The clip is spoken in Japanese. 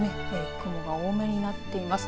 雲が多めになっています。